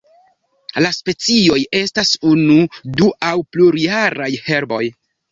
La specioj estas unu, du aŭ plurjaraj herboj.